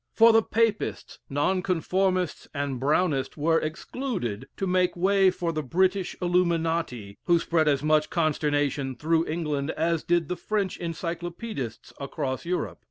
For the Papists, Nonconformists, and Brownists, were excluded to make way for the British Illuminati, who spread as much consternation through England as did the French Encyclopædists across Europe.